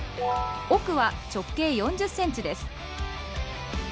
奥は直径４０センチです。